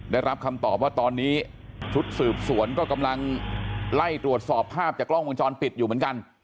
ได้รับคำตอบว่าตอนนี้ชุดสืบสวนก็กำลังไล่ตรวจสอบภาพจากกล้องวงจรปิดอยู่เหมือนกัน